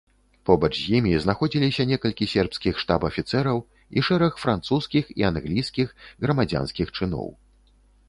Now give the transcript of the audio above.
Побач з імі знаходзіліся некалькі сербскіх штаб-афіцэраў і шэраг французскіх і англійскіх грамадзянскіх чыноў.